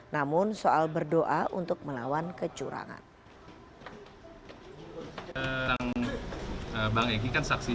namun soal berdoa untuk melawan kejahatan